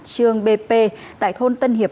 trương bp tại thôn tân hiệp một